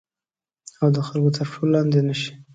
او د خلګو تر پښو لاندي نه شي